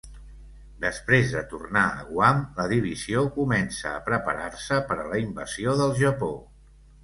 Després de tornar a Guam, la divisió comença a preparar-se per a la invasió del Japó.